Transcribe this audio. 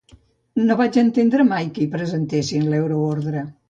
No vaig entendre mai que hi presentessin l’euroordre.